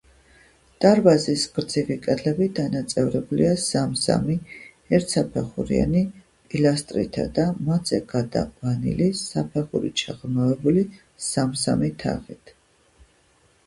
დარბაზის გრძივი კედლები დანაწევრებულია სამ-სამი ერთსაფეხურიანი პილასტრითა და მათზე გადაყვანილი საფეხურით შეღრმავებული სამ-სამი თაღით.